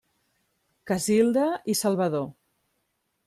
Casilda i Salvador.